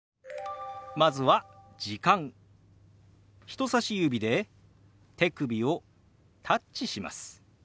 人さし指で手首をタッチします。